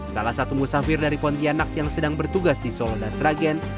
salah satu musafir dari pontianak yang sedang bertugas di solo dan sragen